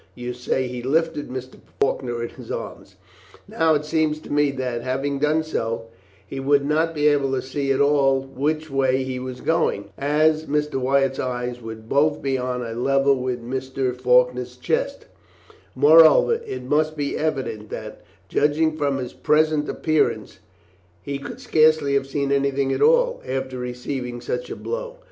You say he lifted Mr. Faulkner in his arms. Now it seems to me that, having done so, he would not be able to see at all which way he was going, as Mr. Wyatt's eyes would both be on a level with Mr. Faulkner's chest; moreover, it must be evident that, judging from his present appearance, he could scarcely have seen anything at all, after receiving such a blow.